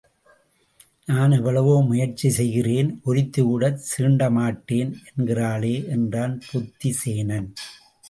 நான் எவ்வளவோ முயற்சி செய்கிறேன் ஒருத்தி கூடச் சீண்டமாட்டேன் என்கிறாளே என்றான் புத்தி சேனன்.